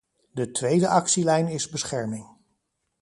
De tweede actielijn is bescherming.